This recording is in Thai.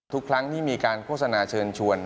ทุกครั้งที่มีการโฆษณาเชิญชวน